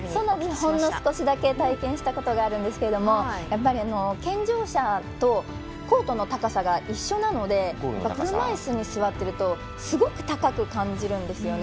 ほんの少しだけ体験したことがあるんですが健常者とコートの高さが一緒なので車いすに座っているとすごく高く感じるんですよね。